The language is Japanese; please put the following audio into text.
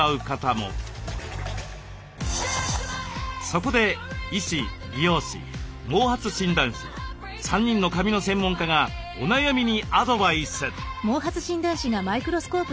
そこで医師美容師毛髪診断士３人の髪の専門家がお悩みにアドバイス。